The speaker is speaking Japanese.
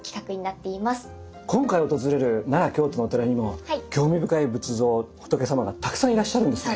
今回訪れる奈良・京都のお寺にも興味深い仏像仏様がたくさんいらっしゃるんです。